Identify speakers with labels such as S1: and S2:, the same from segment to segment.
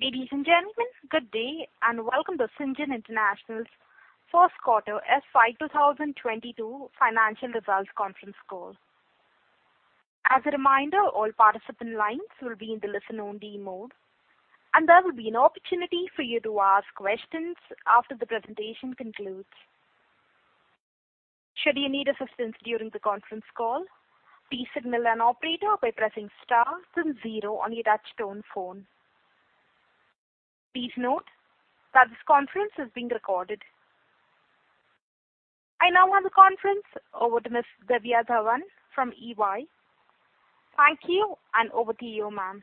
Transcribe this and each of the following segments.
S1: Ladies and gentlemen, good day and welcome to Syngene International's first quarter FY 2022 financial results conference call. As a reminder, all participants lines will be in the listen only mode and there will be an opportunity for you to ask questions after the presentation concludes. Should you need assistance during the conference call, please signal an operator by pressing star then zero on your touchtone telephone. I now hand the conference over to Ms. Divya Dhawan from EY. Thank you, and over to you, ma'am.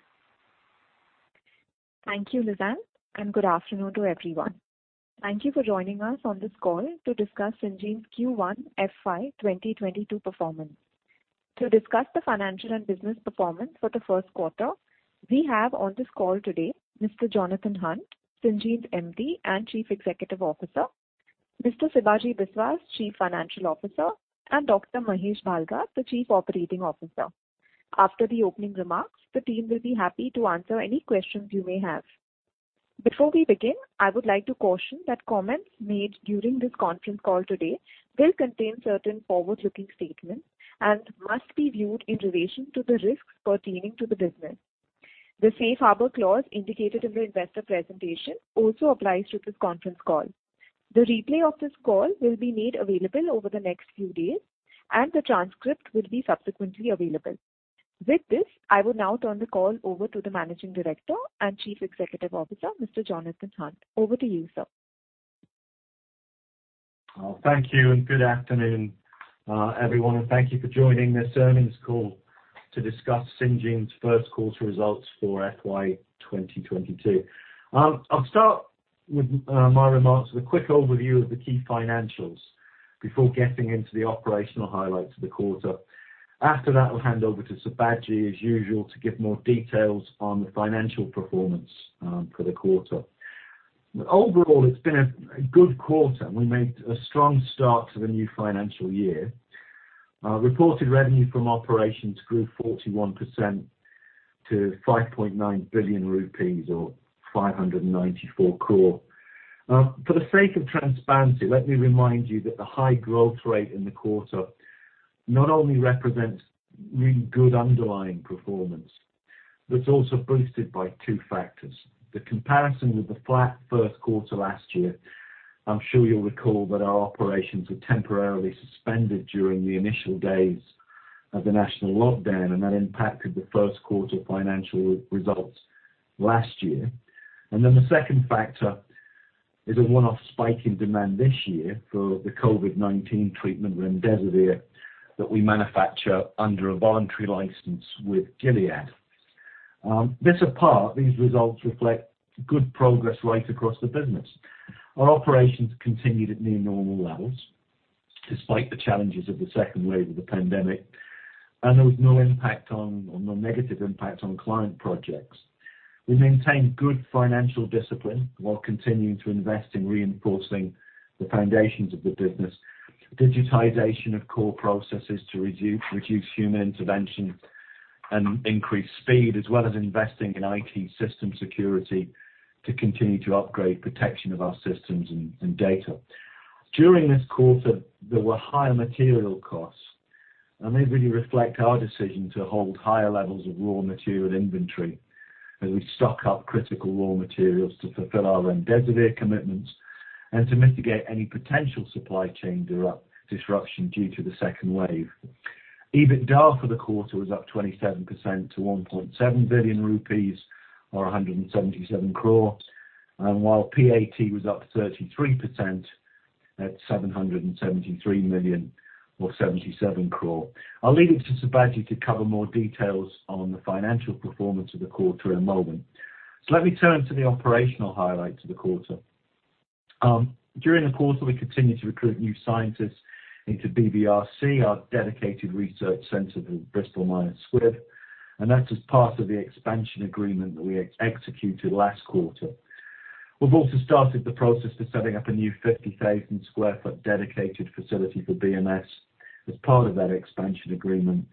S2: Thank you, Lizanne, and good afternoon to everyone. Thank you for joining us on this call to discuss Syngene's Q1 FY 2022 performance. To discuss the financial and business performance for the first quarter, we have on this call today Mr. Jonathan Hunt, Syngene's MD and Chief Executive Officer, Mr. Sibaji Biswas, Chief Financial Officer, and Dr. Mahesh Bhalgat, the Chief Operating Officer. After the opening remarks, the team will be happy to answer any questions you may have. Before we begin, I would like to caution that comments made during this conference call today will contain certain forward-looking statements and must be viewed in relation to the risks pertaining to the business. The safe harbor clause indicated in the investor presentation also applies to this conference call. The replay of this call will be made available over the next few days, and the transcript will be subsequently available. With this, I will now turn the call over to the Managing Director and Chief Executive Officer, Mr. Jonathan Hunt. Over to you, sir.
S3: Thank you, good afternoon, everyone. Thank you for joining this earnings call to discuss Syngene's first quarter results for FY 2022. I'll start my remarks with a quick overview of the key financials before getting into the operational highlights of the quarter. After that, I'll hand over to Sibaji, as usual, to give more details on the financial performance for the quarter. Overall, it's been a good quarter. We made a strong start to the new financial year. Reported revenue from operations grew 41% to 5.9 billion rupees or 594 crore. For the sake of transparency, let me remind you that the high growth rate in the quarter not only represents really good underlying performance, but it's also boosted by two factors. The comparison with the flat first quarter last year, I'm sure you'll recall that our operations were temporarily suspended during the initial days of the national lockdown, that impacted the first quarter financial results last year. The second factor is a one-off spike in demand this year for the COVID-19 treatment remdesivir that we manufacture under a voluntary license with Gilead. This apart, these results reflect good progress right across the business. Our operations continued at near normal levels despite the challenges of the second wave of the pandemic, and there was no negative impact on client projects. We maintained good financial discipline while continuing to invest in reinforcing the foundations of the business, digitization of core processes to reduce human intervention and increase speed, as well as investing in IT system security to continue to upgrade protection of our systems and data. During this quarter, there were higher material costs. They really reflect our decision to hold higher levels of raw material inventory as we stock up critical raw materials to fulfill our remdesivir commitments and to mitigate any potential supply chain disruption due to the second wave. EBITDA for the quarter was up 27% to 1.7 billion rupees or 177 crore. PAT was up 33% at 773 million or 77 crore. I'll leave it to Sibaji to cover more details on the financial performance of the quarter in a moment. Let me turn to the operational highlights of the quarter. During the quarter, we continued to recruit new scientists into BBRC, our dedicated research center in Bristol Myers Squibb. That's as part of the expansion agreement that we executed last quarter. We've also started the process for setting up a new 50,000 sq ft dedicated facility for BMS as part of that expansion agreement.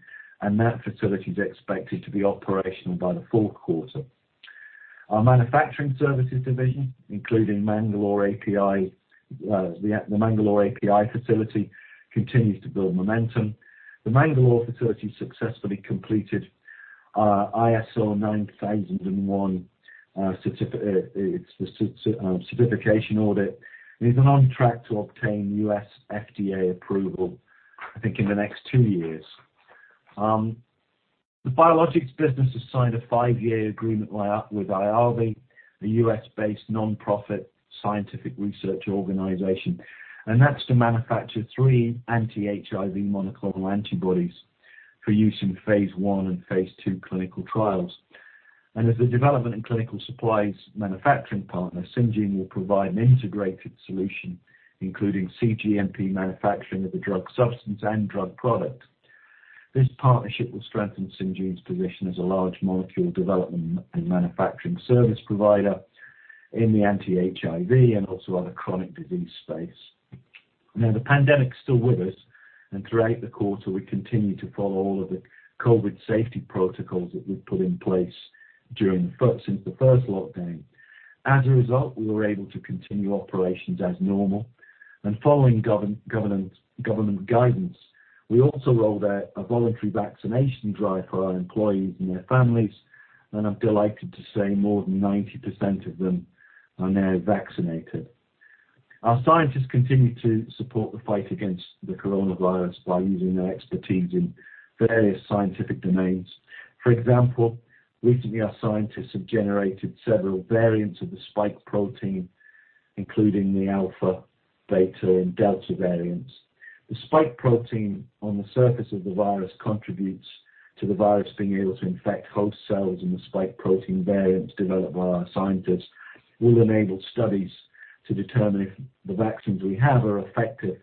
S3: That facility is expected to be operational by the fourth quarter. Our Manufacturing Services division, including the Mangalore API facility, continues to build momentum. The Mangalore facility successfully completed our ISO 9001 certification audit. It is on track to obtain U.S. FDA approval, I think, in the next two years. The biologics business has signed a five-year agreement with IAVI, a U.S.-based non-profit scientific research organization. That's to manufacture three anti-HIV monoclonal antibodies for use in phase I and phase II clinical trials. As the development and clinical supplies manufacturing partner, Syngene will provide an integrated solution, including cGMP manufacturing of the drug substance and drug product. This partnership will strengthen Syngene's position as a large molecule development and manufacturing service provider in the anti-HIV and also other chronic disease space. Now the pandemic's still with us, and throughout the quarter, we continued to follow all of the COVID safety protocols that we've put in place since the first lockdown. As a result, we were able to continue operations as normal. Following government guidance, we also rolled out a voluntary vaccination drive for our employees and their families, and I'm delighted to say more than 90% of them are now vaccinated. Our scientists continue to support the fight against the coronavirus by using their expertise in various scientific domains. For example, recently our scientists have generated several variants of the spike protein, including the Alpha, Beta, and Delta variants. The spike protein on the surface of the virus contributes to the virus being able to infect host cells, and the spike protein variants developed by our scientists will enable studies to determine if the vaccines we have are effective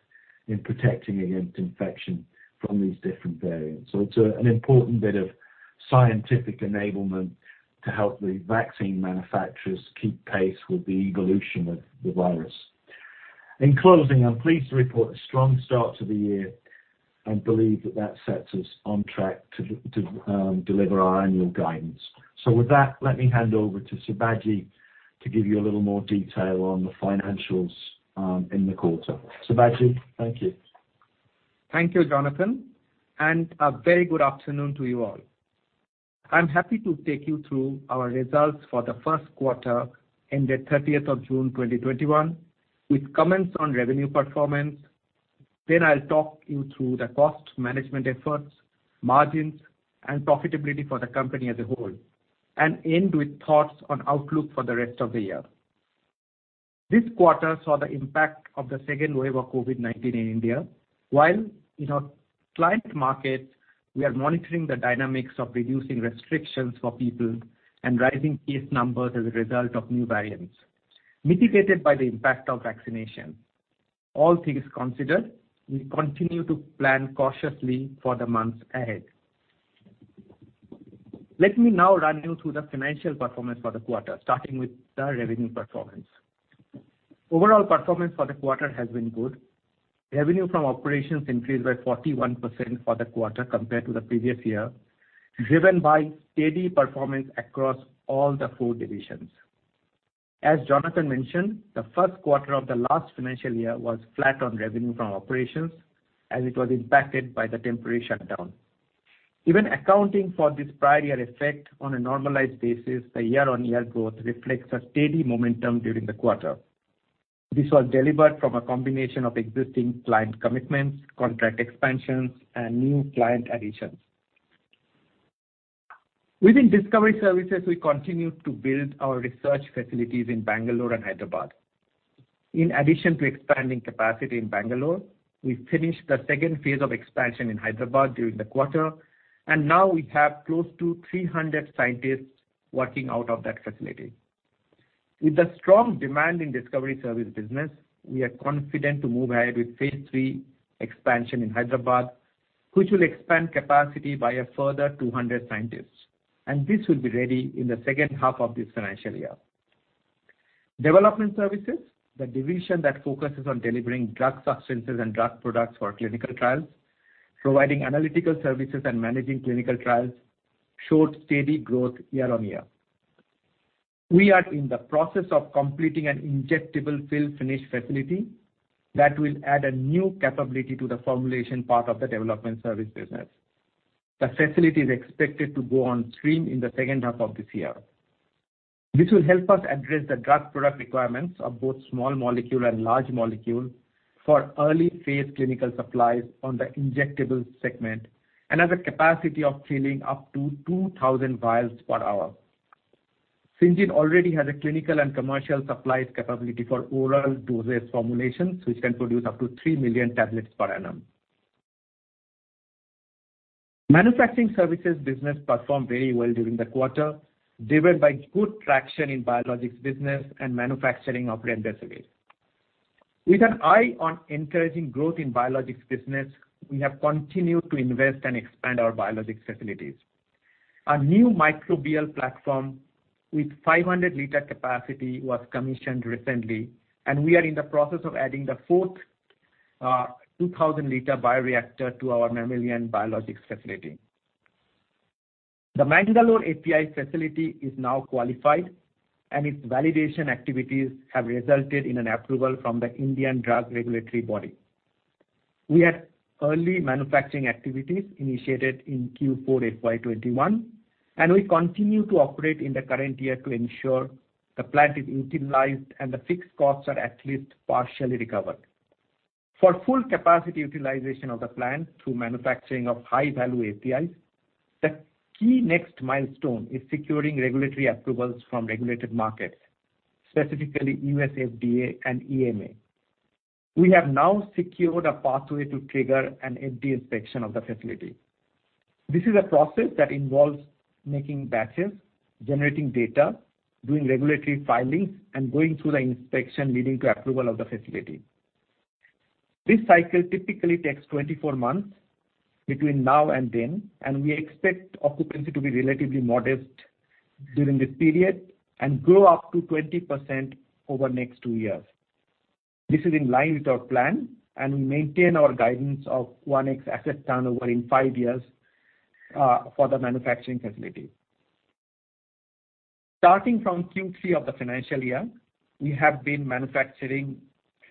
S3: in protecting against infection from these different variants. It's an important bit of scientific enablement to help the vaccine manufacturers keep pace with the evolution of the virus. In closing, I'm pleased to report a strong start to the year and believe that that sets us on track to deliver our annual guidance. With that, let me hand over to Sibaji to give you a little more detail on the financials in the quarter. Sibaji? Thank you.
S4: Thank you, Jonathan, and a very good afternoon to you all. I'm happy to take you through our results for the first quarter ended 30th of June 2021 with comments on revenue performance. I'll talk you through the cost management efforts, margins, and profitability for the company as a whole, and end with thoughts on outlook for the rest of the year. This quarter saw the impact of the second wave of COVID-19 in India. While in our client markets, we are monitoring the dynamics of reducing restrictions for people and rising case numbers as a result of new variants, mitigated by the impact of vaccination. All things considered, we continue to plan cautiously for the months ahead. Let me now run you through the financial performance for the quarter, starting with the revenue performance. Overall performance for the quarter has been good. Revenue from operations increased by 41% for the quarter compared to the previous year, driven by steady performance across all the four divisions. As Jonathan mentioned, the first quarter of the last financial year was flat on revenue from operations as it was impacted by the temporary shutdown. Even accounting for this prior year effect on a normalized basis, the year-on-year growth reflects a steady momentum during the quarter. This was delivered from a combination of existing client commitments, contract expansions, and new client additions. Within Discovery Services, we continued to build our research facilities in Mangalore and Hyderabad. In addition to expanding capacity in Mangalore, we finished the second phase of expansion in Hyderabad during the quarter, and now we have close to 300 scientists working out of that facility. With the strong demand in Discovery Services business, we are confident to move ahead with phase III expansion in Hyderabad, which will expand capacity by a further 200 scientists. This will be ready in the second half of this financial year. Development Services, the division that focuses on delivering drug substances and products for clinical trials, providing analytical services and managing clinical trials, showed steady growth year-on-year. We are in the process of completing an injectable fill finish facility that will add a new capability to the formulation part of the Development Services business. The facility is expected to go on stream in the second half of this year. This will help us address the drug product requirements of both small molecule and large molecule for early phase clinical supplies on the injectables segment and has a capacity of filling up to 2,000 vials per hour. Syngene already has a clinical and commercial supplies capability for oral dosage formulations, which can produce up to 3 million tablets per annum. Manufacturing Services business performed very well during the quarter, driven by good traction in biologics business and manufacturing of remdesivir. With an eye on encouraging growth in biologics business, we have continued to invest and expand our biologics facilities. A new microbial platform with 500-L capacity was commissioned recently, and we are in the process of adding the fourth 2,000-L bioreactor to our mammalian biologics facility. The Mangalore API facility is now qualified and its validation activities have resulted in an approval from the Indian Drug Regulatory Body. We had early manufacturing activities initiated in Q4 FY 2021, and we continue to operate in the current year to ensure the plant is utilized and the fixed costs are at least partially recovered. For full capacity utilization of the plant through manufacturing of high-value APIs, the key next milestone is securing regulatory approvals from regulated markets, specifically U.S. FDA and EMA. We have now secured a pathway to trigger an FDA inspection of the facility. This is a process that involves making batches, generating data, doing regulatory filings, and going through the inspection leading to approval of the facility. This cycle typically takes 24 months between now and then, and we expect occupancy to be relatively modest during this period and grow up to 20% over the next two years. This is in line with our plan, and we maintain our guidance of 1x asset turnover in five years for the manufacturing facility. Starting from Q3 of the financial year, we have been manufacturing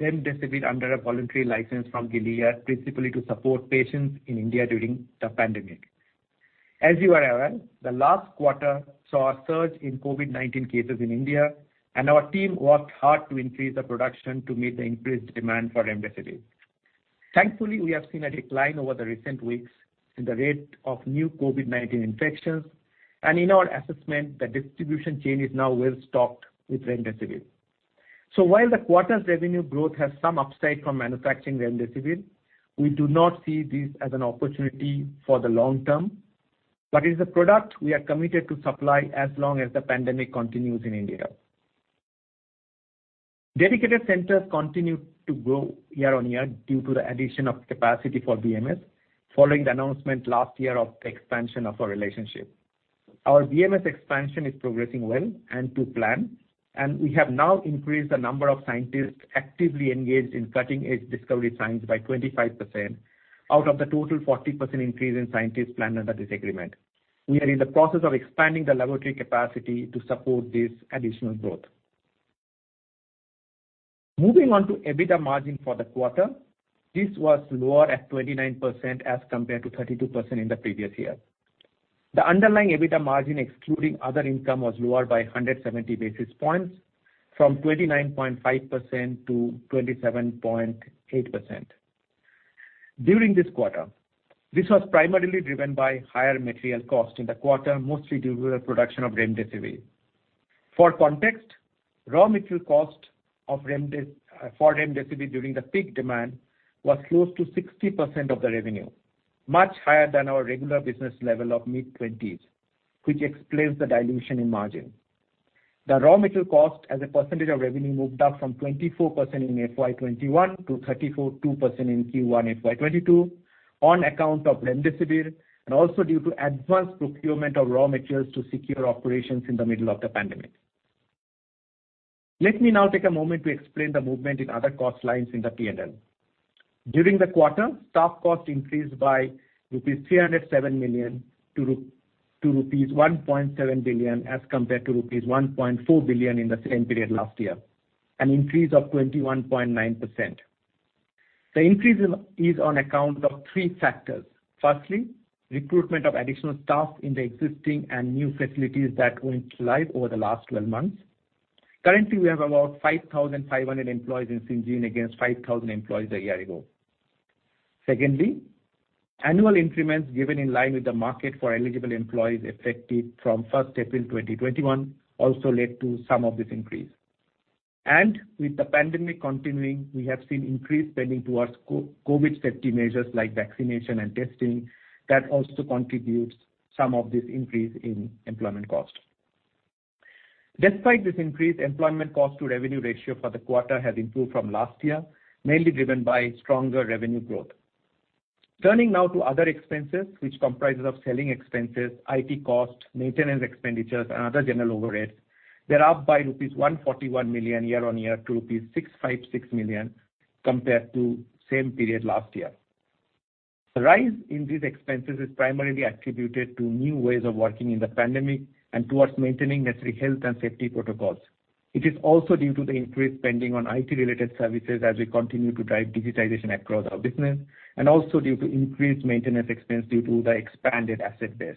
S4: remdesivir under a voluntary license from Gilead, principally to support patients in India during the pandemic. As you are aware, the last quarter saw a surge in COVID-19 cases in India, and our team worked hard to increase the production to meet the increased demand for remdesivir. Thankfully, we have seen a decline over the recent weeks in the rate of new COVID-19 infections. In our assessment, the distribution chain is now well-stocked with remdesivir. While the quarter's revenue growth has some upside from manufacturing remdesivir, we do not see this as an opportunity for the long term. It is a product we are committed to supply as long as the pandemic continues in India. Dedicated centers continue to grow year-over-year due to the addition of capacity for BMS, following the announcement last year of the expansion of our relationship. Our BMS expansion is progressing well and to plan, and we have now increased the number of scientists actively engaged in cutting-edge discovery science by 25% out of the total 40% increase in scientists planned under this agreement. We are in the process of expanding the laboratory capacity to support this additional growth. Moving on to EBITDA margin for the quarter. This was lower at 29% as compared to 32% in the previous year. The underlying EBITDA margin, excluding other income, was lower by 170 basis points from 29.5% to 27.8% during this quarter. This was primarily driven by higher material costs in the quarter, mostly due to the production of remdesivir. For context, raw material cost for remdesivir during the peak demand was close to 60% of the revenue, much higher than our regular business level of mid-20s, which explains the dilution in margin. The raw material cost as a percentage of revenue moved up from 24% in FY 2021 to 34.2% in Q1 FY 2022 on account of remdesivir and also due to advanced procurement of raw materials to secure operations in the middle of the pandemic. Let me now take a moment to explain the movement in other cost lines in the P&L. During the quarter, staff costs increased by rupees 307 million to rupees 1.7 billion as compared to rupees 1.4 billion in the same period last year, an increase of 21.9%. The increase is on account of three factors. Firstly, recruitment of additional staff in the existing and new facilities that went live over the last 12 months. Currently, we have about 5,500 employees in Syngene against 5,000 employees a year ago. Secondly, annual increments given in line with the market for eligible employees effective from 1st April, 2021 also led to some of this increase. With the pandemic continuing, we have seen increased spending towards COVID-19 safety measures like vaccination and testing that also contributes some of this increase in employment cost. Despite this increase, employment cost to revenue ratio for the quarter has improved from last year, mainly driven by stronger revenue growth. Turning now to other expenses, which comprises of selling expenses, IT costs, maintenance expenditures, and other general overheads. They are up by rupees 141 million year-over-year to rupees 656 million compared to same period last year. The rise in these expenses is primarily attributed to new ways of working in the pandemic and towards maintaining necessary health and safety protocols. It is also due to the increased spending on IT-related services as we continue to drive digitization across our business, and also due to increased maintenance expense due to the expanded asset base.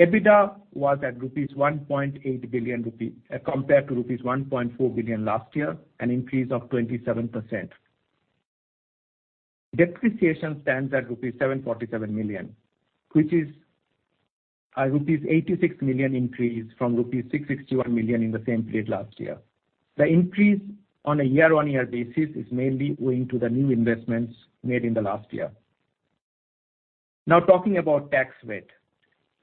S4: EBITDA was at 1.8 billion rupees compared to rupees 1.4 billion last year, an increase of 27%. Depreciation stands at rupees 747 million, which is a rupees 86 million increase from rupees 661 million in the same period last year. The increase on a year-on-year basis is mainly owing to the new investments made in the last year. Talking about tax rate.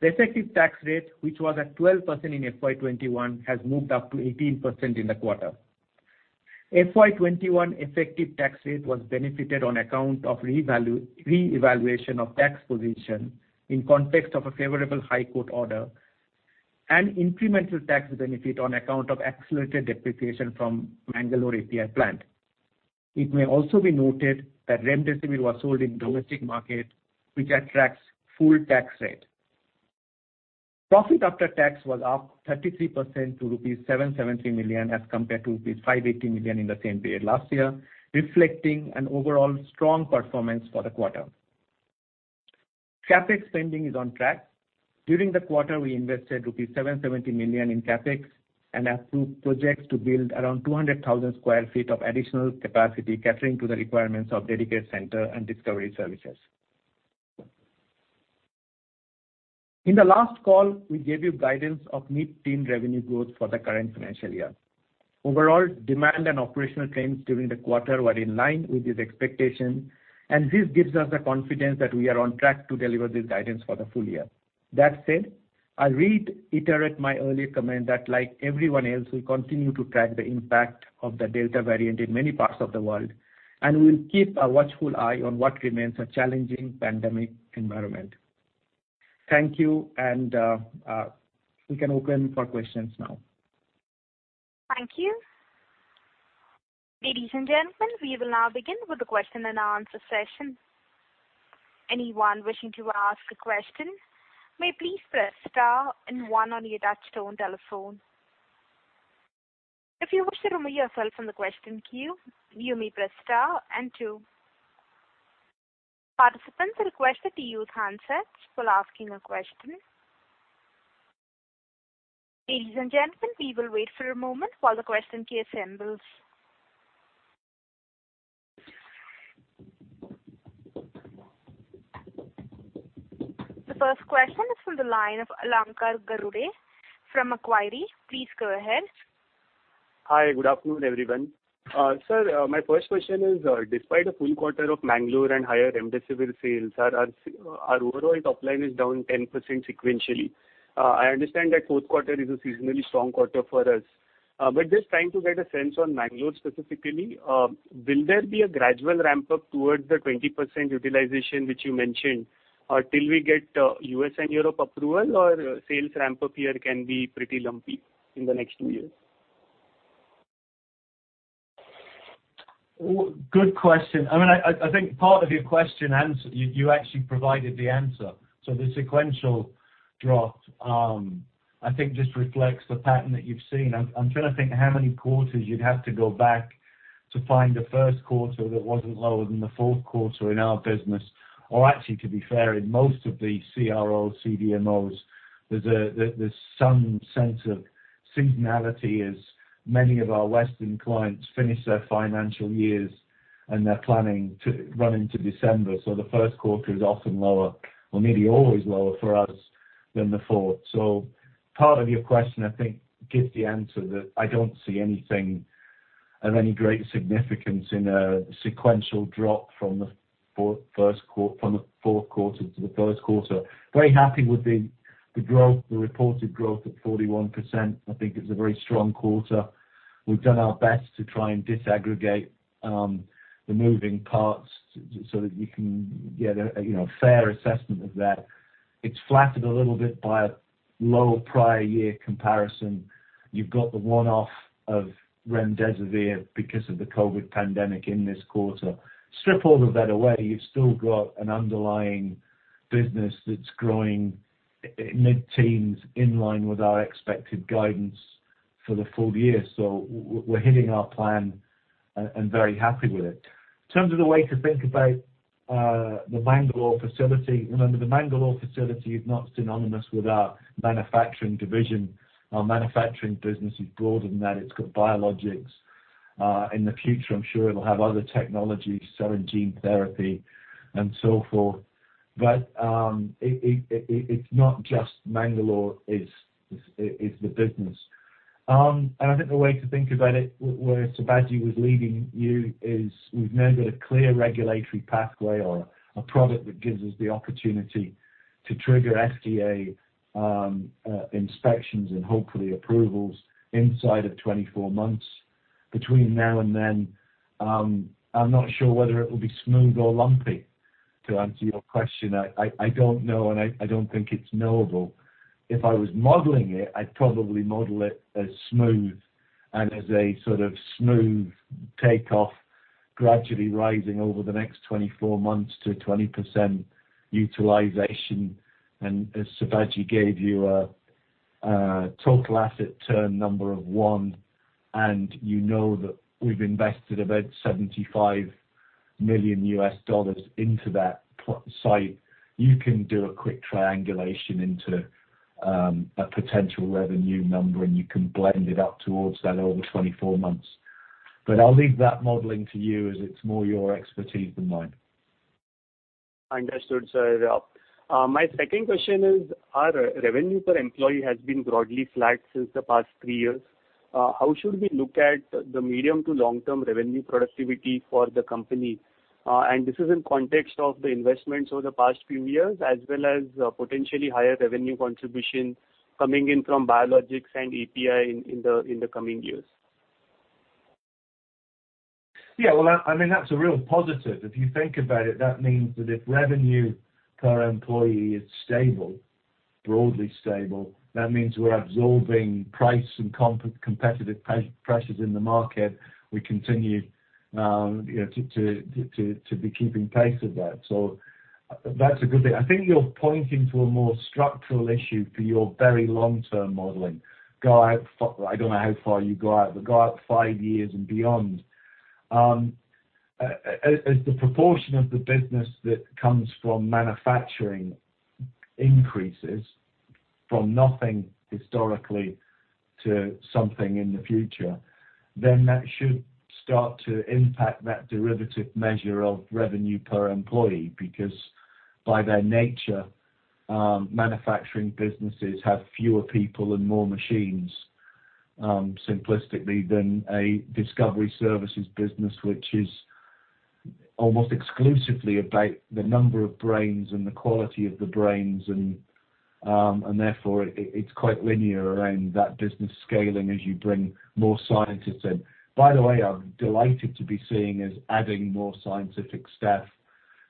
S4: The effective tax rate, which was at 12% in FY 2021, has moved up to 18% in the quarter. FY 2021 effective tax rate was benefited on account of reevaluation of tax position in context of a favorable high court order and incremental tax benefit on account of accelerated depreciation from Mangalore API plant. It may also be noted that remdesivir was sold in domestic market, which attracts full tax rate. Profit after tax was up 33% to rupees 773 million as compared to rupees 518 million in the same period last year, reflecting an overall strong performance for the quarter. CapEx spending is on track. During the quarter, we invested rupees 770 million in CapEx and have two projects to build around 200,000 sq ft of additional capacity catering to the requirements of dedicated center and Discovery Services. In the last call, we gave you guidance of mid-teen revenue growth for the current financial year. Overall, demand and operational trends during the quarter were in line with these expectations, and this gives us the confidence that we are on track to deliver this guidance for the full year. That said, I'll reiterate my earlier comment that like everyone else, we'll continue to track the impact of the Delta variant in many parts of the world, and we'll keep a watchful eye on what remains a challenging pandemic environment. Thank you. We can open for questions now.
S1: Thank you. Ladies and gentlemen, we will now begin with the question and answer session. Anyone wishing to ask a question, may please press star and one on your touchtone telephone. If you wish to remove yourself from the question queue, you may press star and two. Participants are requested to use handsets while asking a question. Ladies and gentlemen, we will wait for a moment while the question queue assembles. The first question is from the line of Alankar Garude from Macquarie. Please go ahead.
S5: Hi. Good afternoon, everyone. Sir, my first question is, despite a full quarter of Mangalore and higher remdesivir sales, our overall top line is down 10% sequentially. I understand that fourth quarter is a seasonally strong quarter for us. Just trying to get a sense on Mangalore specifically, will there be a gradual ramp-up towards the 20% utilization which you mentioned, till we get U.S. and Europe approval, or sales ramp-up here can be pretty lumpy in the next two years?
S3: Good question. I think part of your question, you actually provided the answer. The sequential drop, I think just reflects the pattern that you've seen. I'm trying to think how many quarters you'd have to go back to find a first quarter that wasn't lower than the fourth quarter in our business. Or actually, to be fair, in most of the CRO, CDMOs, there's some sense of seasonality as many of our Western clients finish their financial years, and they're planning to run into December. The first quarter is often lower or nearly always lower for us than the fourth. Part of your question, I think, gives the answer that I don't see anything of any great significance in a sequential drop from the fourth quarter to the first quarter. Very happy with the reported growth of 41%. I think it's a very strong quarter. We've done our best to try and disaggregate the moving parts so that we can get a fair assessment of that. It's flattered a little bit by a lower prior year comparison. You've got the one-off of remdesivir because of the COVID pandemic in this quarter. Strip all of that away, you've still got an underlying business that's growing mid-teens in line with our expected guidance for the full year. We're hitting our plan and very happy with it. In terms of the way to think about the Mangalore facility, remember, the Mangalore facility is not synonymous with our manufacturing division. Our manufacturing business is broader than that. It's got biologics. In the future, I'm sure it'll have other technologies, certain gene therapy and so forth. It's not just Mangalore is the business. I think the way to think about it, where Sibaji was leading you is, we've now got a clear regulatory pathway or a product that gives us the opportunity to trigger FDA inspections and hopefully approvals inside of 24 months. Between now and then, I'm not sure whether it will be smooth or lumpy, to answer your question. I don't know, and I don't think it's knowable. If I was modeling it, I'd probably model it as smooth, and as a sort of smooth takeoff gradually rising over the next 24 months to 20% utilization. As Sibaji gave you a total asset turn number of one, and you know that we've invested about $75 million into that site, you can do a quick triangulation into a potential revenue number, and you can blend it up towards that over 24 months. I'll leave that modeling to you as it's more your expertise than mine.
S5: Understood, sir. My second question is, our revenue per employee has been broadly flat since the past three years. How should we look at the medium to long-term revenue productivity for the company? This is in context of the investments over the past few years, as well as potentially higher revenue contribution coming in from biologics and API in the coming years.
S3: Yeah. That's a real positive. If you think about it, that means that if revenue per employee is stable, broadly stable, that means we're absorbing price and competitive pressures in the market. We continue to be keeping pace with that. That's a good thing. I think you're pointing to a more structural issue for your very long-term modeling. I don't know how far you go out, but go out five years and beyond. As the proportion of the business that comes from manufacturing increases from nothing historically to something in the future, that should start to impact that derivative measure of revenue per employee, by their nature, manufacturing businesses have fewer people and more machines, simplistically, than a Discovery Services business, which is almost exclusively about the number of brains and the quality of the brains, therefore, it's quite linear around that business scaling as you bring more scientists in. By the way, I'm delighted to be seeing us adding more scientific staff.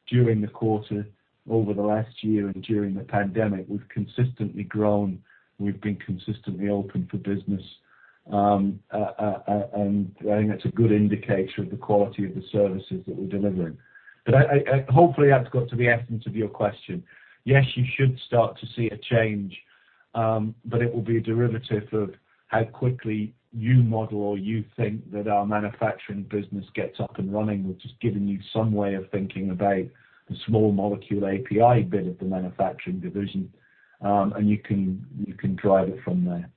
S3: During the quarter, over the last year and during the pandemic, we've consistently grown and we've been consistently open for business. I think that's a good indicator of the quality of the services that we're delivering. Hopefully that's got to the essence of your question. Yes, you should start to see a change, it will be a derivative of how quickly you model or you think that our Manufacturing business gets up and running, which has given you some way of thinking about the small molecule API bit of the Manufacturing division. You can drive it from there.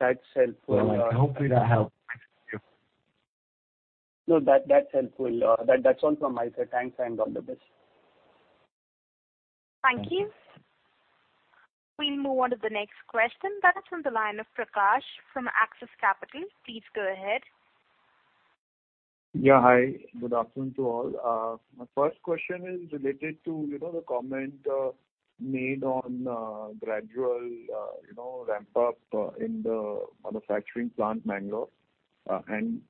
S5: That's helpful.
S3: All right. Hopefully that helps.
S5: No, that's helpful. That's all from my side. Thanks, and all the best.
S1: Thank you. We'll move on to the next question. That is on the line of Prakash from Axis Capital. Please go ahead.
S6: Yeah, hi. Good afternoon to all. My first question is related to the comment made on gradual ramp-up in the manufacturing plant, Mangalore, and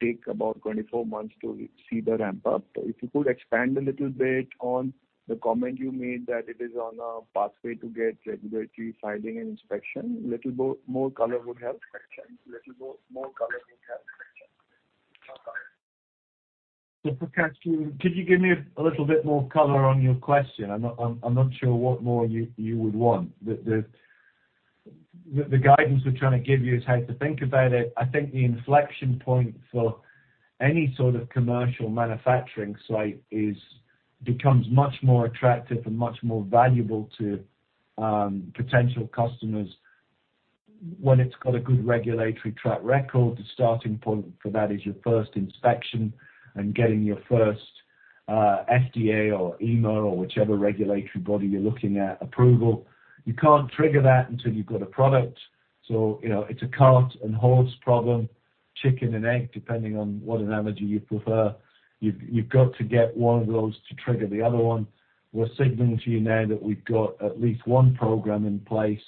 S6: take about 24 months to see the ramp-up. If you could expand a little bit on the comment you made that it is on a pathway to get regulatory filing and inspection. A little more color would help.
S3: Prakash, could you give me a little bit more color on your question? I'm not sure what more you would want. The guidance we're trying to give you is how to think about it. I think the inflection point for any sort of commercial manufacturing site becomes much more attractive and much more valuable to potential customers when it's got a good regulatory track record. The starting point for that is your first inspection and getting your first FDA or EMA or whichever regulatory body you're looking at approval. You can't trigger that until you've got a product. It's a cart and horse problem, chicken and egg, depending on what analogy you prefer. You've got to get one of those to trigger the other one. We're signaling to you now that we've got at least one program in place,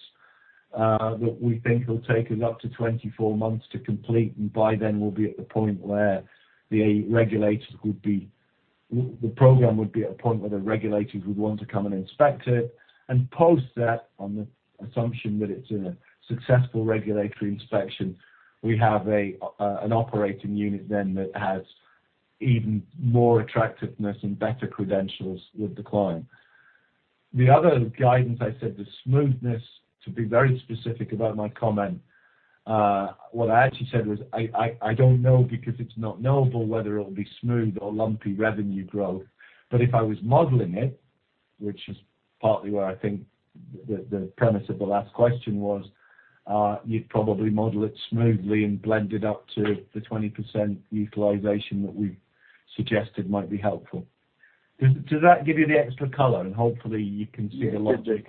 S3: that we think will take us up to 24 months to complete, and by then we'll be at the point where the regulators would want to come and inspect it. Post that, on the assumption that it's a successful regulatory inspection, we have an operating unit then that has even more attractiveness and better credentials with the client. The other guidance, I said the smoothness, to be very specific about my comment. What I actually said was, I don't know because it's not knowable whether it'll be smooth or lumpy revenue growth. If I was modeling it, which is partly where I think the premise of the last question was, you'd probably model it smoothly and blend it up to the 20% utilization that we've suggested might be helpful. Does that give you the extra color? Hopefully you can see the logic.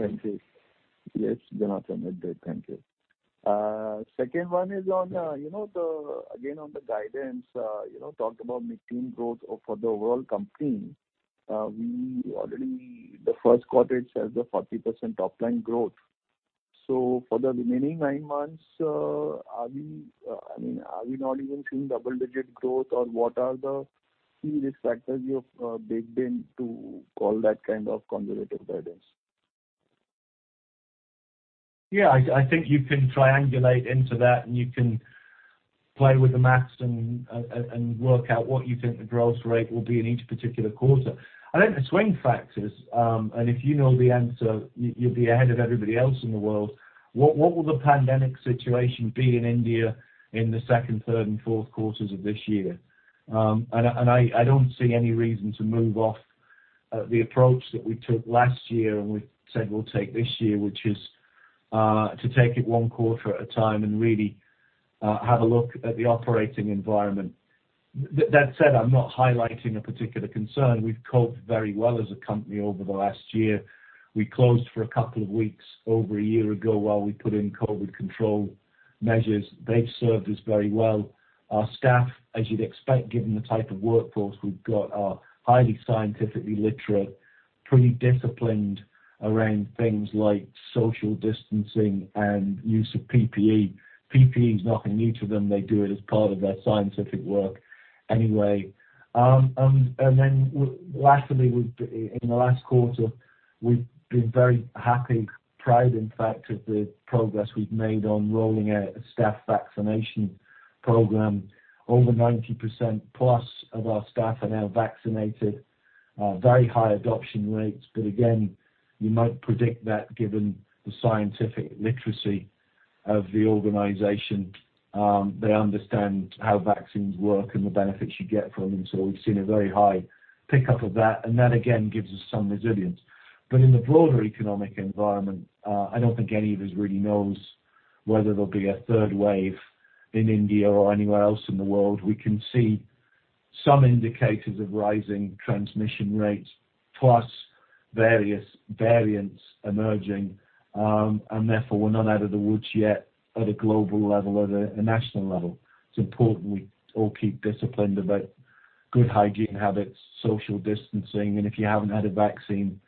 S6: Yes, Jonathan, it did. Thank you. Second one is again on the guidance, talked about mid-teen growth for the overall company. Already the first quarter itself, the 40% top-line growth. For the remaining nine months, are we not even seeing double-digit growth, or what are the key risk factors you've baked in to call that kind of conservative guidance?
S3: I think you can triangulate into that and you can play with the math and work out what you think the growth rate will be in each particular quarter. I think the swing factors, and if you know the answer, you'll be ahead of everybody else in the world. What will the pandemic situation be in India in the second, third, and fourth quarters of this year? I don't see any reason to move off the approach that we took last year and we said we'll take this year, which is to take it one quarter at a time and really have a look at the operating environment. That said, I'm not highlighting a particular concern. We've coped very well as a company over the last year. We closed for two weeks over one year ago while we put in COVID control measures. They've served us very well. Our staff, as you'd expect, given the type of workforce we've got, are highly scientifically literate, pretty disciplined around things like social distancing and use of PPE. PPE is nothing new to them. They do it as part of their scientific work anyway. Lastly, in the last quarter, we've been very happy, proud, in fact, of the progress we've made on rolling out a staff vaccination program. Over 90%+ of our staff are now vaccinated. Very high adoption rates. Again, you might predict that given the scientific literacy of the organization. They understand how vaccines work and the benefits you get from them. We've seen a very high pickup of that, and that, again, gives us some resilience. In the broader economic environment, I don't think any of us really knows whether there'll be a third wave in India or anywhere else in the world. We can see some indicators of rising transmission rates, plus various variants emerging, and therefore, we're not out of the woods yet at a global level or the national level. It's important we all keep disciplined about good hygiene habits, social distancing, and if you haven't had a vaccine,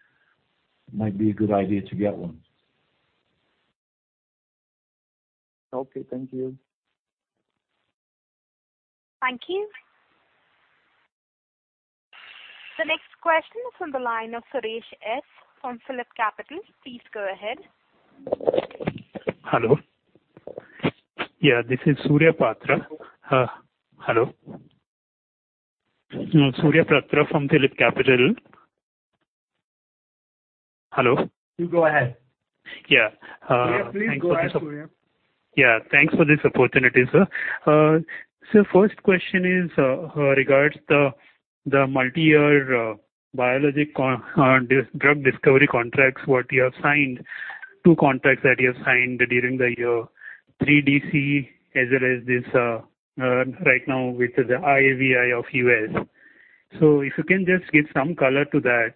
S3: might be a good idea to get one.
S6: Okay, thank you.
S1: Thank you. The next question is on the line of Surya Patra from PhillipCapital. Please go ahead.
S7: Hello. This is Surya Patra. Hello. Surya Patra from PhillipCapital. Hello.
S4: You go ahead. Surya, please go ahead, Surya.
S7: Thanks for this opportunity, sir. Sir, first question is regards the multi-year biologic drug discovery contracts, what you have signed, two contracts that you have signed during the year, 3DC as well as this, right now, which is the IAVI of U.S. If you can just give some color to that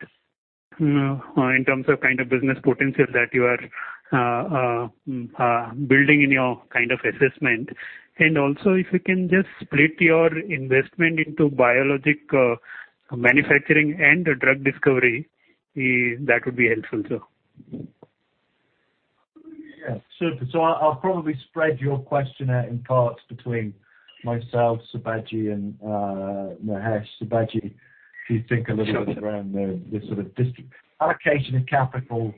S7: in terms of kind of business potential that you are building in your kind of assessment. Also, if you can just split your investment into biologic manufacturing and drug discovery, that would be helpful, sir.
S3: Super. I'll probably spread your question out in parts between myself, Sibaji, and Mahesh. Sibaji, could you think a little bit around the sort of allocation of capital,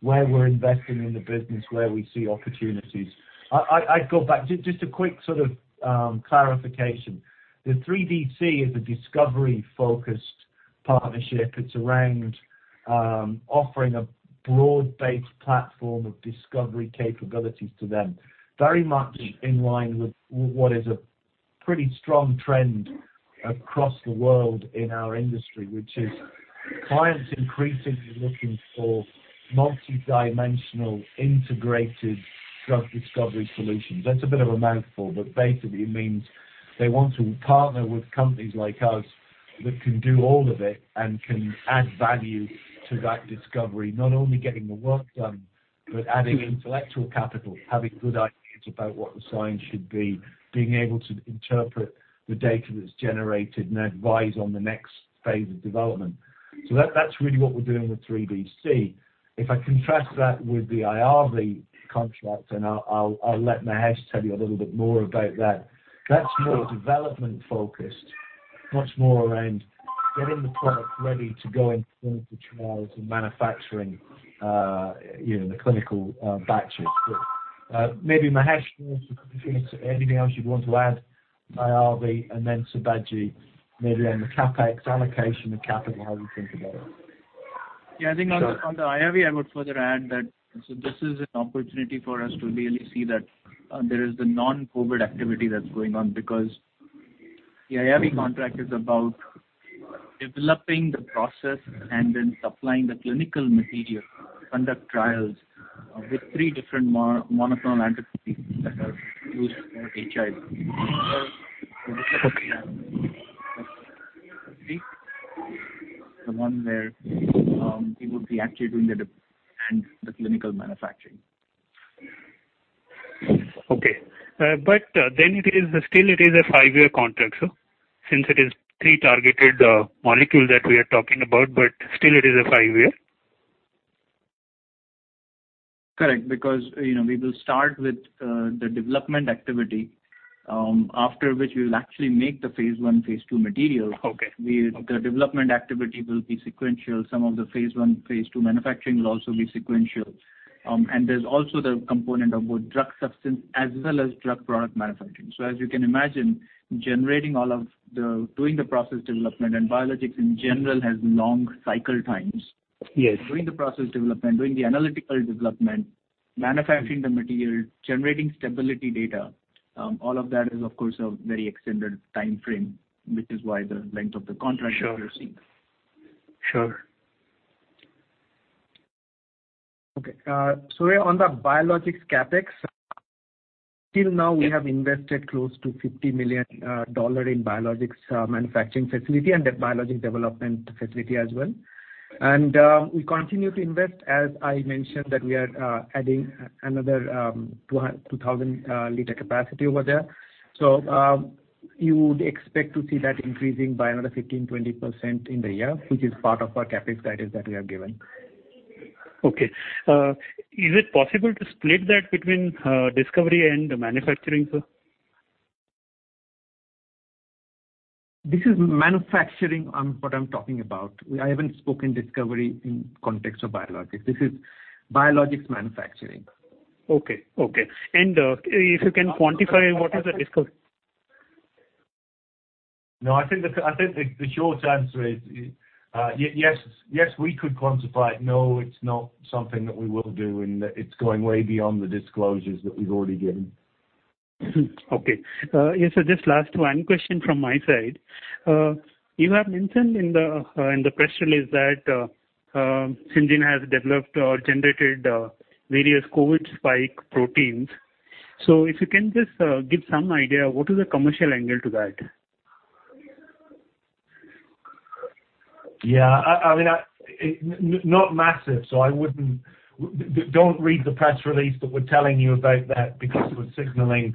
S3: where we're investing in the business, where we see opportunities. I'd go back, just a quick sort of clarification. The 3DC is a discovery-focused partnership. It's around offering a broad-based platform of discovery capabilities to them, very much in line with what is a pretty strong trend across the world in our industry, which is clients increasingly looking for multi-dimensional integrated drug discovery solutions. That's a bit of a mouthful, basically it means they want to partner with companies like us that can do all of it and can add value to that discovery. Not only getting the work done, adding intellectual capital, having good ideas about what the science should be. Being able to interpret the data that's generated and advise on the next phase of development. That's really what we're doing with 3DC. If I contrast that with the IAVI contract, and I'll let Mahesh tell you a little bit more about that. That's more development-focused, much more around getting the product ready to go into clinical trials and manufacturing the clinical batches. Maybe Mahesh, if there's anything else you'd want to add, IAVI, and then Sibaji, maybe on the CapEx allocation of capital, how we think about it.
S8: I think on the IAVI, I would further add that this is an opportunity for us to really see that there is the non-COVID activity that's going on because the IAVI contract is about developing the process and then supplying the clinical material to conduct trials with three different monoclonal antibodies that are used for HIV, the one where we would be actually doing the development and the clinical manufacturing.
S7: Okay. Still it is a five-year contract, sir. Since it is three targeted molecule that we are talking about, still it is a five-year.
S8: Correct, we will start with the development activity, after which we will actually make the phase I, phase II material.
S7: Okay.
S8: The development activity will be sequential. Some of the phase I, phase II manufacturing will also be sequential. There's also the component of both drug substance as well as drug product manufacturing. As you can imagine, doing the process development and biologics in general has long cycle times.
S7: Yes.
S8: Doing the process development, doing the analytical development, manufacturing the material, generating stability data, all of that is, of course, a very extended timeframe, which is why the length of the contract that you're seeing.
S7: Sure.
S4: Okay. On the biologics CapEx, till now we have invested close to INR 50 million in biologics manufacturing facility and the biologic development facility as well. We continue to invest, as I mentioned that we are adding another 2,000 L capacity over there. You would expect to see that increasing by another 15%-20% in the year, which is part of our CapEx guidance that we have given.
S7: Okay. Is it possible to split that between Discovery and Manufacturing, sir?
S4: This is Manufacturing what I'm talking about. I haven't spoken Discovery in context of biologics. This is biologics Manufacturing.
S7: Okay. if you can quantify what is the?
S3: No, I think the short answer is, yes, we could quantify it. No, it's not something that we will do and it's going way beyond the disclosures that we've already given.
S7: Okay. Yes, sir, just last one question from my side. You have mentioned in the press release that Syngene has developed or generated various COVID spike proteins. If you can just give some idea, what is the commercial angle to that?
S3: Yeah. Not massive, so don't read the press release that we're telling you about that because we're signaling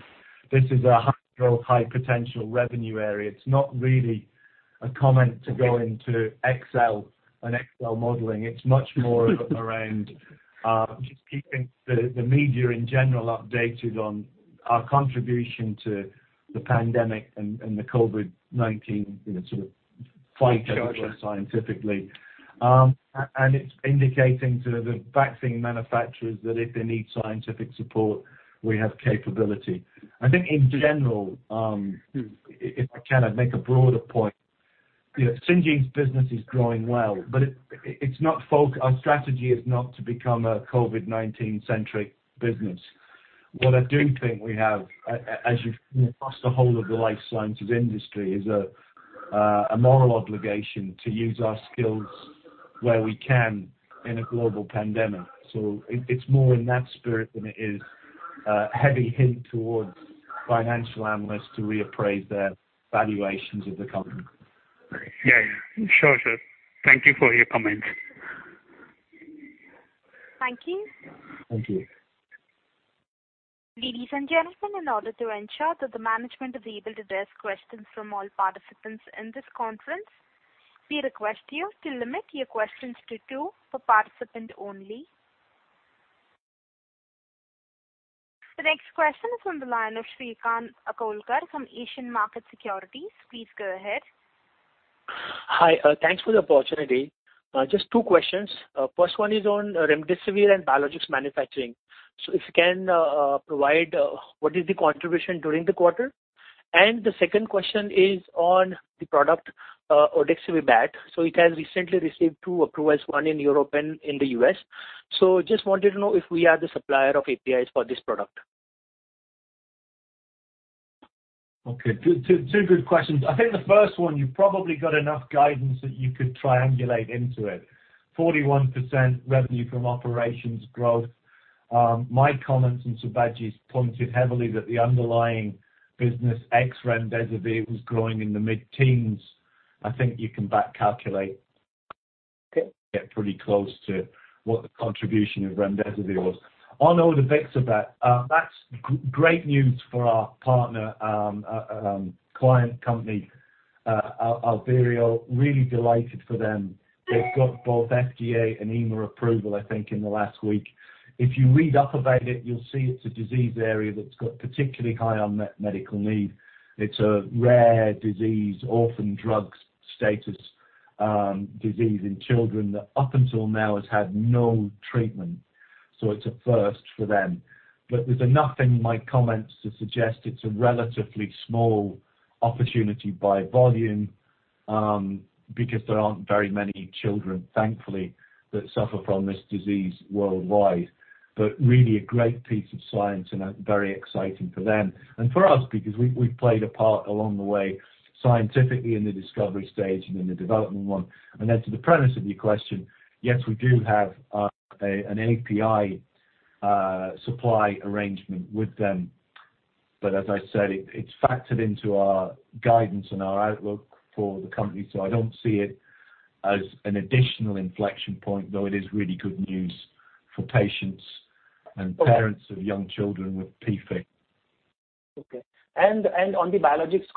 S3: this is a high growth, high potential revenue area. It's not really a comment to go into Excel and Excel modeling. It's much more around just keeping the media, in general, updated on our contribution to the pandemic and the COVID-19 sort of fight scientifically.
S7: Got you.
S3: It's indicating to the vaccine manufacturers that if they need scientific support, we have capability. I think in general, if I can make a broader point, Syngene's business is growing well, but our strategy is not to become a COVID-19-centric business. What I do think we have, across the whole of the life sciences industry, is a moral obligation to use our skills where we can in a global pandemic. It's more in that spirit than it is a heavy hint towards financial analysts to reappraise their valuations of the company.
S7: Yeah. Sure. Thank you for your comments.
S1: Thank you.
S3: Thank you.
S1: Ladies and gentlemen, in order to ensure that the management is able to address questions from all participants in this conference, we request you to limit your questions to two per participant only. The next question is on the line of Shrikant Akolkar from Asian Markets Securities. Please go ahead.
S9: Hi. Thanks for the opportunity. Just two questions. First one is on remdesivir and biologics manufacturing. If you can provide what is the contribution during the quarter. The second question is on the product odevixibat. It has recently received two approvals, one in Europe and in the U.S. Just wanted to know if we are the supplier of APIs for this product.
S3: Okay, two good questions. I think the first one, you've probably got enough guidance that you could triangulate into it. 41% revenue from operations growth. My comments and Sibaji's pointed heavily that the underlying business, ex-remdesivir, was growing in the mid-teens. I think you can back calculate to get pretty close to what the contribution of remdesivir was. On odevixibat, that's great news for our partner, client company, Albireo. Really delighted for them. They've got both FDA and EMA approval, I think, in the last week. If you read up about it, you'll see it's a disease area that's got particularly high unmet medical need. It's a rare disease, orphan drugs status disease in children that up until now has had no treatment. It's a first for them. There's nothing in my comments to suggest it's a relatively small opportunity by volume, because there aren't very many children, thankfully, that suffer from this disease worldwide. Really a great piece of science and very exciting for them and for us, because we played a part along the way scientifically in the discovery stage and in the development one. Then to the premise of your question, yes, we do have an API supply arrangement with them. As I said, it's factored into our guidance and our outlook for the company, so I don't see it as an additional inflection point, though it is really good news for patients and parents of young children with PFIC.
S9: Okay. On the biologics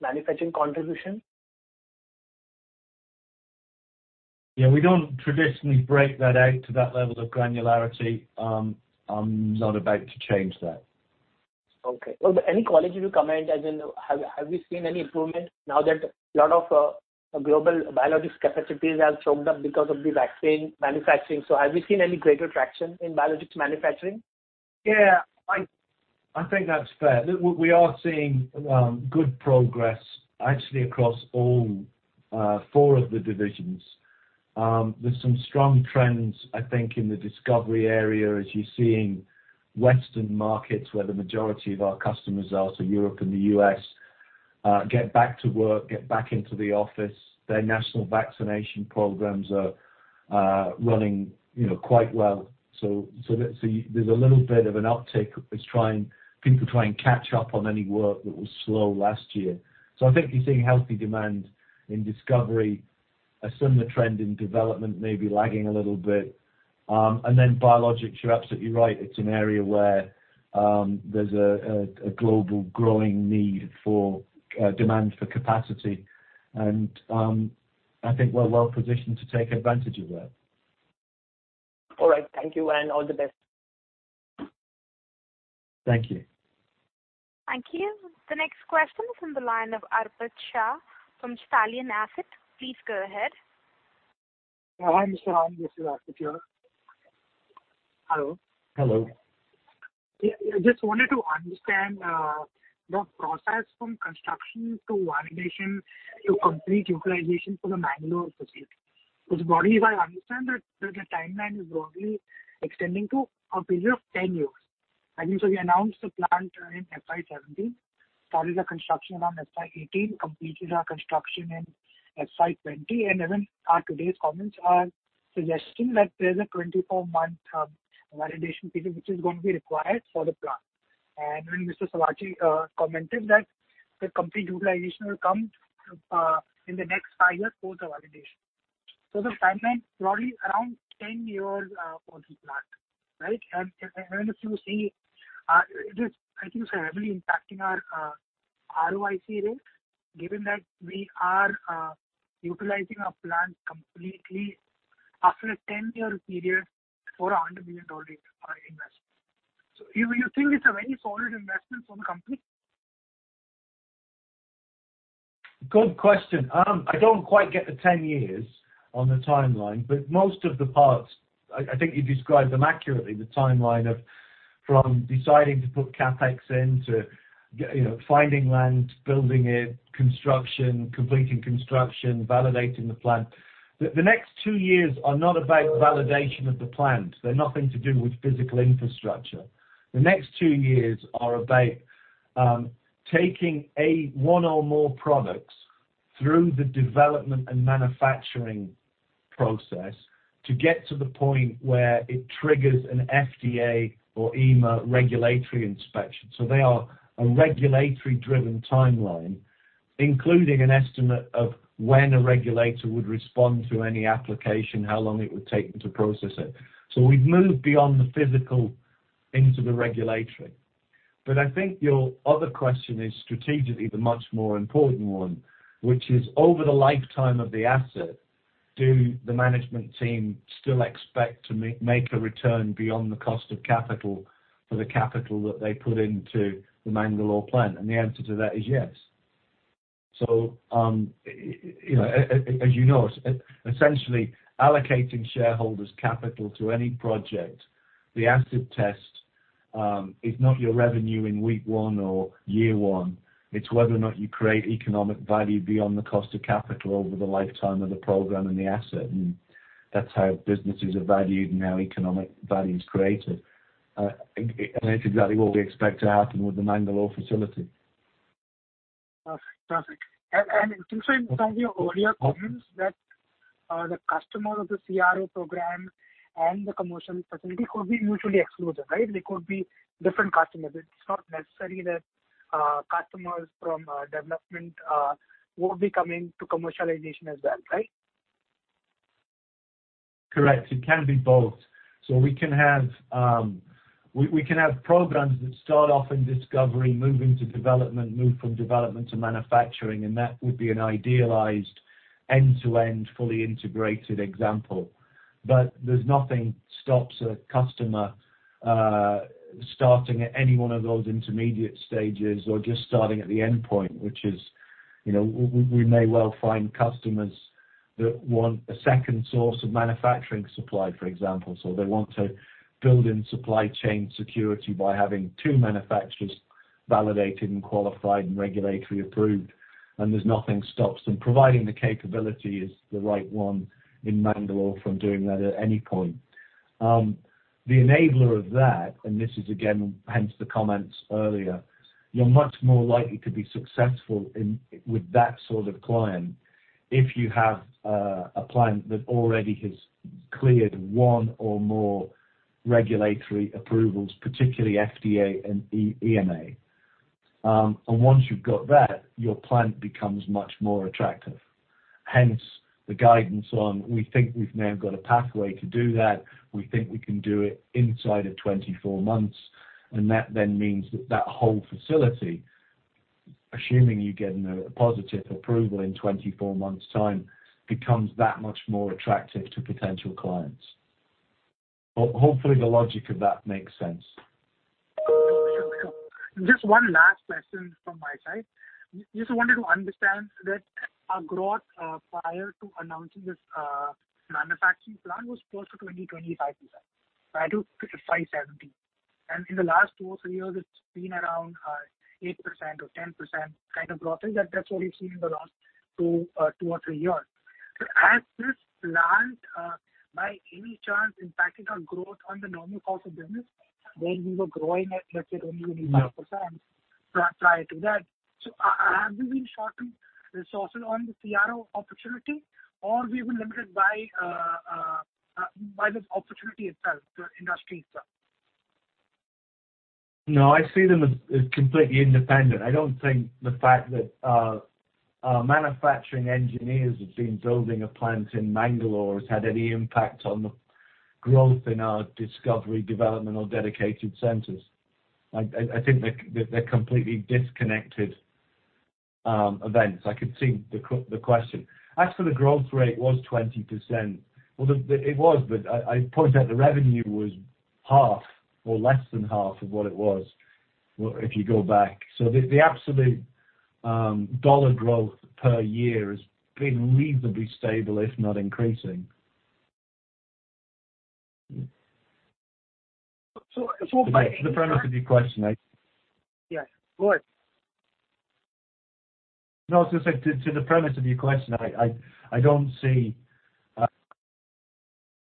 S9: manufacturing contribution?
S3: Yeah, we don't traditionally break that out to that level of granularity. I'm not about to change that.
S9: Okay. Any qualitative comment, as in have we seen any improvement now that a lot of global biologics capacities have choked up because of the vaccine manufacturing? Have we seen any greater traction in biologics manufacturing?
S3: Yeah, I think that's fair. We are seeing good progress actually across all four of the divisions. There's some strong trends, I think, in the discovery area as you're seeing Western markets where the majority of our customers are, so Europe and the U.S., get back to work, get back into the office. Their national vaccination programs are running quite well. There's a little bit of an uptick as people try and catch up on any work that was slow last year. I think you're seeing healthy demand in discovery. A similar trend in development, maybe lagging a little bit. Biologics, you're absolutely right, it's an area where there's a global growing need for demand for capacity. I think we're well-positioned to take advantage of that.
S9: All right. Thank you, and all the best.
S3: Thank you.
S1: Thank you. The next question is on the line of Arpit Shah from Stallion Asset. Please go ahead.
S10: Hi, Mr. Jonathan, this is Arpit here. Hello.
S3: Hello.
S10: Just wanted to understand the process from construction to validation to complete utilization for the Mangalore facility. Broadly, if I understand, that the timeline is broadly extending to a period of 10 years. We announced the plant in FY 2017, started the construction around FY 2018, completed our construction in FY 2020, and even our today's comments are suggesting that there's a 24-month validation period which is going to be required for the plant. When Mr. Sibaji commented that the complete utilization will come in the next five years post the validation. The timeline probably around 10 years for this plant, right? Even if you see, it is, I think, heavily impacting our ROIC rates, given that we are utilizing our plant completely after a 10-year period for a $100 million investment. You think it's a very solid investment for the company?
S3: Good question. I don't quite get the 10 years on the timeline, but most of the parts, I think you described them accurately. The timeline of from deciding to put CapEx in, to finding land, building it, construction, completing construction, validating the plant. The next two years are not about validation of the plant. They're nothing to do with physical infrastructure. The next two years are about taking one or more products through the development and manufacturing process to get to the point where it triggers an FDA or EMA regulatory inspection. They are a regulatory-driven timeline, including an estimate of when a regulator would respond to any application, how long it would take them to process it. We've moved beyond the physical into the regulatory. I think your other question is strategically the much more important one, which is, over the lifetime of the asset, do the management team still expect to make a return beyond the cost of capital for the capital that they put into the Mangalore plant? The answer to that is yes. As you know, essentially allocating shareholders' capital to any project, the acid test is not your revenue in week one or year one, it's whether or not you create economic value beyond the cost of capital over the lifetime of the program and the asset, and that's how businesses are valued and how economic value is created. It's exactly what we expect to happen with the Mangalore facility.
S10: Perfect. Also in some of your earlier comments that the customer of the CRO program and the commercial facility could be mutually exclusive. They could be different customers. It is not necessary that customers from development would be coming to commercialization as well.
S3: Correct. It can be both. We can have programs that start off in discovery, move into development, move from development to manufacturing, and that would be an idealized end-to-end, fully integrated example. There's nothing stops a customer starting at any one of those intermediate stages or just starting at the endpoint. We may well find customers that want a second source of manufacturing supply, for example. They want to build in supply chain security by having two manufacturers validated and qualified and regulatory approved, and there's nothing stops them. Providing the capability is the right one in Mangalore from doing that at any point. The enabler of that, and this is again, hence the comments earlier, you're much more likely to be successful with that sort of client if you have a plant that already has cleared one or more regulatory approvals, particularly FDA and EMA. Once you've got that, your plant becomes much more attractive. Hence, the guidance on, we think we've now got a pathway to do that. We think we can do it inside of 24 months. That then means that that whole facility, assuming you're getting a positive approval in 24 months' time, becomes that much more attractive to potential clients. Hopefully, the logic of that makes sense.
S10: Sure. Just one last question from my side. Just wanted to understand that our growth prior to announcing this manufacturing plant was close to 20%-25%, right, to fiscal 570. In the last two or three years, it's been around 8% or 10% kind of growth. That's what we've seen in the last two or three years. Has this plant, by any chance, impacted our growth on the normal course of business when we were growing at, let's say, 20%-25% prior to that? Have we been short on resources on the CRO opportunity, or we were limited by this opportunity itself, the industry itself?
S3: I see them as completely independent. I don't think the fact that our manufacturing engineers have been building a plant in Mangalore has had any impact on the growth in our discovery, development or dedicated centers. I think they're completely disconnected events. I could see the question. As for the growth rate was 20%, well, it was, but I point out the revenue was half or less than half of what it was, if you go back. The absolute dollar growth per year has been reasonably stable, if not increasing.
S10: So-
S3: The premise of your question,
S10: Yeah. Go ahead.
S3: No, I was going to say, to the premise of your question,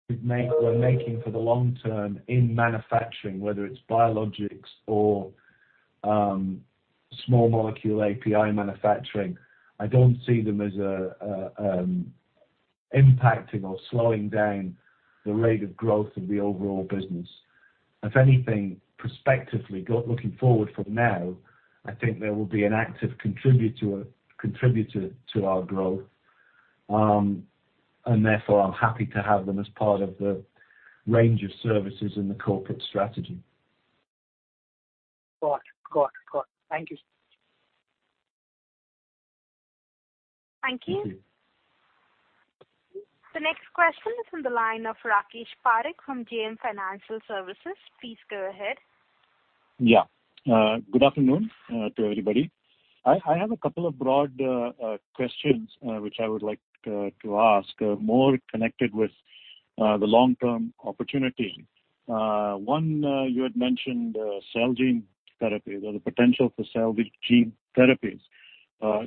S3: we're making for the long term in manufacturing, whether it's biologics or small molecule API manufacturing. I don't see them as impacting or slowing down the rate of growth of the overall business. If anything, prospectively looking forward from now, I think there will be an active contributor to our growth. Therefore, I'm happy to have them as part of the range of services in the corporate strategy.
S10: Got it. Thank you.
S1: Thank you.
S3: Thank you.
S1: The next question is from the line of Rakesh Parekh from JM Financial Services. Please go ahead.
S11: Yeah. Good afternoon to everybody. I have a couple of broad questions which I would like to ask, more connected with the long-term opportunity. One, you had mentioned cell gene therapy or the potential for cell with gene therapies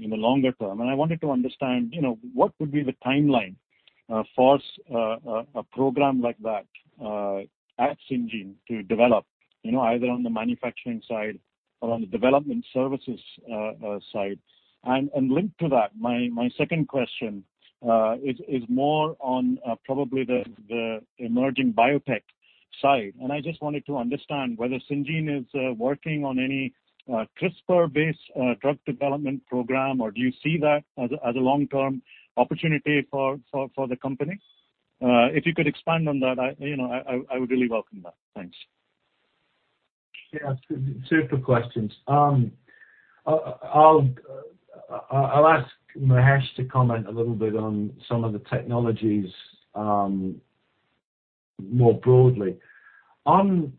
S11: in the longer term. I wanted to understand what would be the timeline for a program like that at Syngene to develop, either on the manufacturing side or on the Development Services side. Linked to that, my second question is more on probably the emerging biotech side. I just wanted to understand whether Syngene is working on any CRISPR-based drug development program, or do you see that as a long-term opportunity for the company? If you could expand on that, I would really welcome that. Thanks.
S3: Super questions. I'll ask Mahesh to comment a little bit on some of the technologies more broadly. On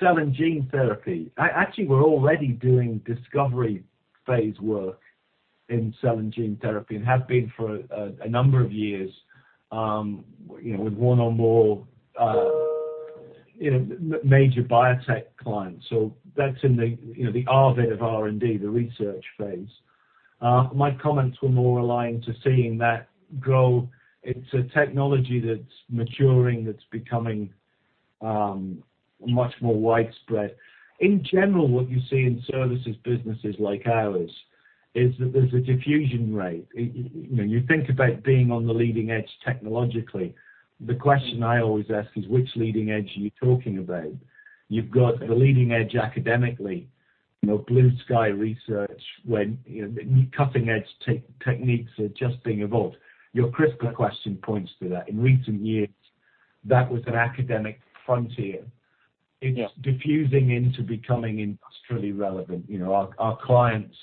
S3: cell and gene therapy, actually, we're already doing discovery phase work in cell and gene therapy and have been for a number of years, with one or more major biotech clients. That's in the R of R&D, the research phase. My comments were more aligned to seeing that grow. It's a technology that's maturing, that's becoming much more widespread. In general, what you see in services businesses like ours is that there's a diffusion rate. You think about being on the leading edge technologically. The question I always ask is, which leading edge are you talking about? You've got the leading edge academically, blue sky research, when cutting-edge techniques are just being evolved. Your CRISPR question points to that. In recent years, that was an academic frontier.
S11: Yeah.
S3: It's diffusing into becoming industrially relevant. Our clients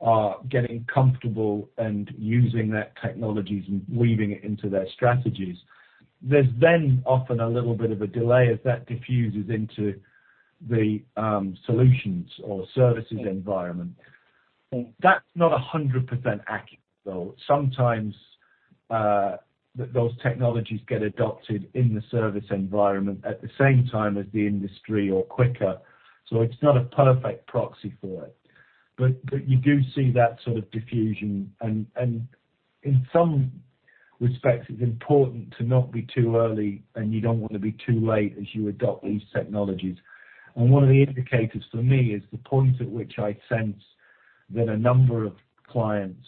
S3: are getting comfortable and using their technologies and weaving it into their strategies. There's then often a little bit of a delay as that diffuses into the solutions or services environment. That's not 100% accurate, though. Sometimes, those technologies get adopted in the service environment at the same time as the industry or quicker. It's not a perfect proxy for it. You do see that sort of diffusion, and in some respects, it's important to not be too early, and you don't want to be too late as you adopt these technologies. One of the indicators for me is the point at which I sense that a number of clients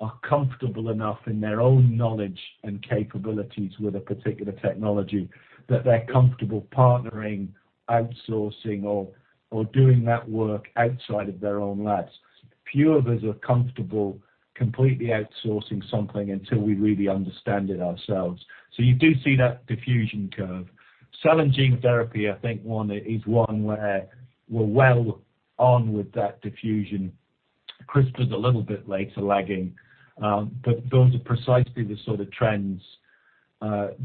S3: are comfortable enough in their own knowledge and capabilities with a particular technology, that they're comfortable partnering, outsourcing, or doing that work outside of their own labs. Few of us are comfortable completely outsourcing something until we really understand it ourselves. You do see that diffusion curve. Cell and gene therapy, I think, is one where we're well on with that diffusion. CRISPR's a little bit later, lagging. Those are precisely the sort of trends that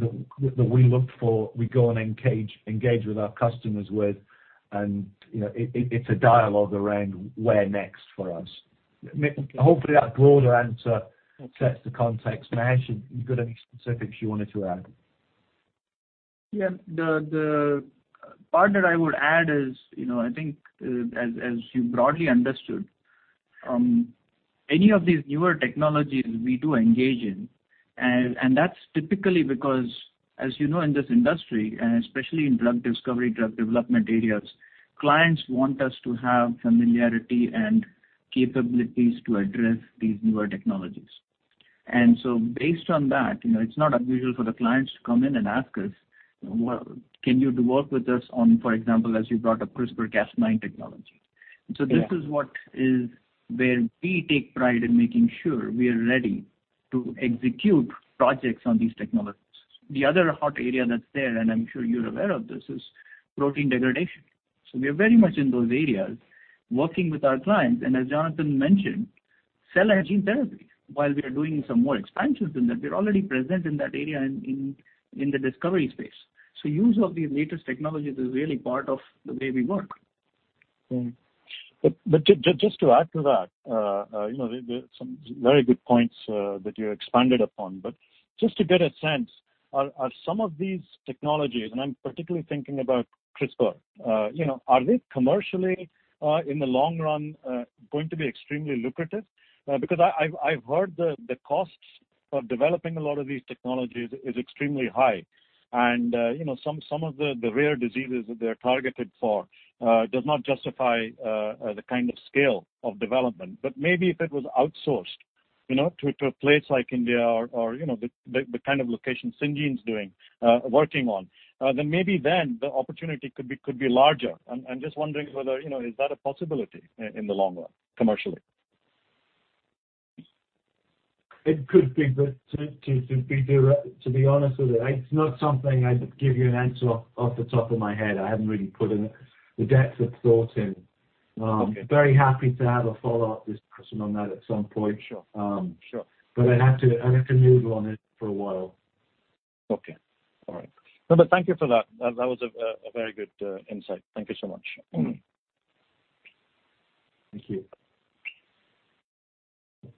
S3: we look for, we go and engage with our customers with, and it's a dialogue around where next for us. Hopefully, that broader answer sets the context. Mahesh, you got any specifics you wanted to add?
S8: Yeah. The part that I would add is, I think, as you broadly understood, any of these newer technologies we do engage in, and that's typically because, as you know, in this industry, and especially in drug discovery, drug development areas, clients want us to have familiarity and capabilities to address these newer technologies. Based on that, it's not unusual for the clients to come in and ask us, "Can you work with us on, for example," as you brought up, CRISPR-Cas9 technology?
S3: Yeah.
S8: This is where we take pride in making sure we are ready to execute projects on these technologies. The other hot area that's there, and I'm sure you're aware of this, is protein degradation. We are very much in those areas, working with our clients. As Jonathan mentioned, cell and gene therapy. While we are doing some more expansions in them, we're already present in that area and in the discovery space. Use of these latest technologies is really part of the way we work.
S11: Just to add to that, some very good points that you expanded upon. Just to get a sense, are some of these technologies, and I'm particularly thinking about CRISPR, are they commercially, in the long run, going to be extremely lucrative? Because I've heard the costs of developing a lot of these technologies is extremely high, and some of the rare diseases that they're targeted for does not justify the kind of scale of development. Maybe if it was outsourced to a place like India or the kind of locations Syngene's working on, then maybe then the opportunity could be larger. I'm just wondering whether, is that a possibility in the long run, commercially?
S3: It could be. To be honest with you, it's not something I'd give you an answer off the top of my head. I haven't really put in the depth of thought in.
S11: Okay.
S3: Very happy to have a follow-up discussion on that at some point.
S11: Sure.
S3: I'd have to noodle on it for a while.
S11: Okay. All right. No, thank you for that. That was a very good insight. Thank you so much.
S3: Thank you.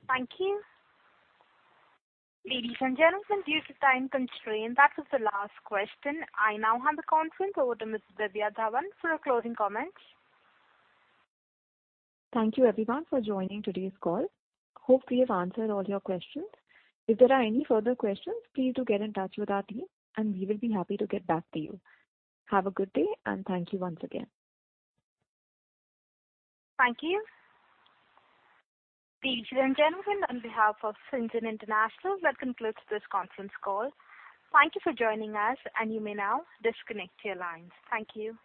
S1: Thank you. Ladies and gentlemen, due to time constraint, that was the last question. I now hand the conference over to Ms. Divya Dhawan for her closing comments.
S2: Thank you, everyone, for joining today's call. Hope we have answered all your questions. If there are any further questions, please do get in touch with our team, and we will be happy to get back to you. Have a good day, and thank you once again.
S1: Thank you. Ladies and gentlemen, on behalf of Syngene International, that concludes this conference call. Thank you for joining us, and you may now disconnect your lines. Thank you.